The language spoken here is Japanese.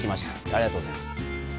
ありがとうございます。